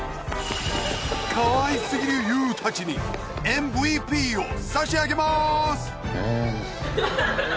かわいすぎるＹＯＵたちにＭＶＰを差し上げます！